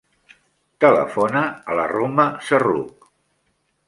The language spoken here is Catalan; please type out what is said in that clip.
Telefona a la Roma Serroukh.